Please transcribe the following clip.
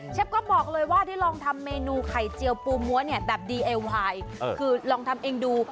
ก็บอกว่าได้ลองทำเมนูไข่เจียวปูมั้วเนี่ยแบบดีเอลไวน์คือลองทำเองดู